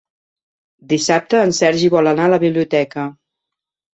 Dissabte en Sergi vol anar a la biblioteca.